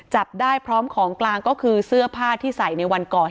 จับได้พร้อมของกลางก็คือเสื้อผ้าที่ใส่ในวันก่อเหตุ